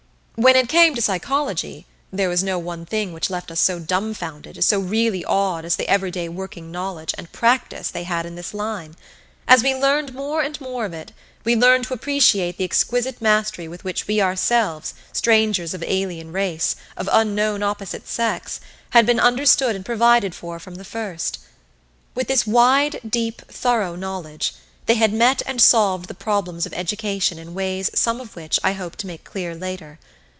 When it came to psychology there was no one thing which left us so dumbfounded, so really awed, as the everyday working knowledge and practice they had in this line. As we learned more and more of it, we learned to appreciate the exquisite mastery with which we ourselves, strangers of alien race, of unknown opposite sex, had been understood and provided for from the first. With this wide, deep, thorough knowledge, they had met and solved the problems of education in ways some of which I hope to make clear later.